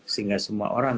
sehingga semua orang